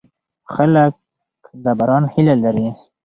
خلک د باران هیله لري.